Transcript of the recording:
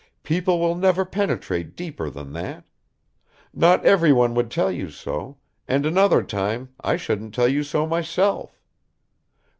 People will never penetrate deeper than that. Not everyone would tell you so, and another time I shouldn't tell you so myself."